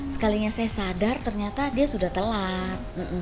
sekalinya saya sadar ternyata dia sudah telat